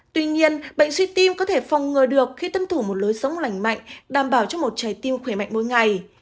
tuy nhiên bệnh suy tim có thể phong ngừa được khi tâm thủ một lối sống lành mạnh đảm bảo cho một trái tim khỏe mạnh mỗi ngày